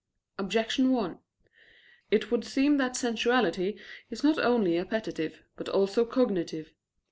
Objection 1: It would seem that sensuality is not only appetitive, but also cognitive.